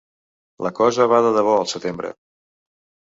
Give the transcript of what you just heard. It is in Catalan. La cosa va de debò al setembre.